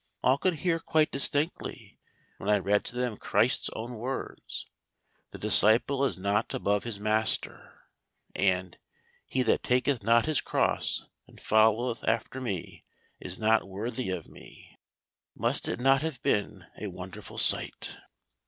All could hear quite distinctly, when I read to them Christ's own words: 'The disciple is not above his Master,' and 'He that taketh not his cross and followeth after Me is not worthy of Me.'" Must it not have been a wonderful sight?